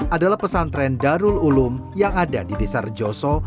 adalah pesantren darul ulum yang ada di desa rejoso